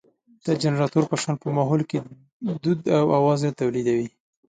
د جنراتور په شان په ماحول کې دود او اواز نه تولېدوي.